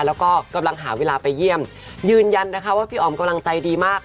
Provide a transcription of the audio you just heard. แล้วก็กำลังหาเวลาไปเยี่ยมยืนยันนะคะว่าพี่อ๋อมกำลังใจดีมาก